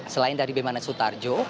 selain dari bimanes sutarjo